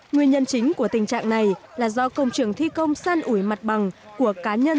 nguyên nhân chính của tình trạng này là do công trường thi công san ủi mặt bằng của cá nhân